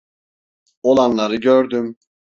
Olanları gördüm.